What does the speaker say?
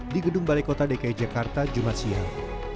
di gedung balai kota dki jakarta jumat siang